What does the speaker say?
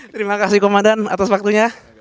terima kasih komandan atas waktunya